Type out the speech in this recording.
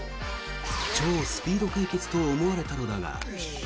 超スピード解決と思われたのだが。